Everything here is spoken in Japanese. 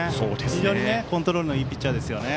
非常にコントロールのいいピッチャーですよね。